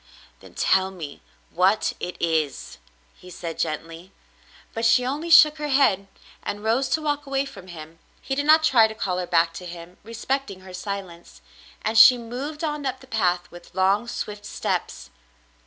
"Then tell me what it is," he said gently. But she only shook her head and rose to walk away from him. He did not try to call her back to him, respecting her silence, and she moved on up the path with long, swift steps.